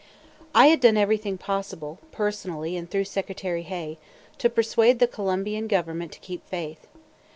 I had done everything possible, personally and through Secretary Hay, to persuade the Colombian Government to keep faith.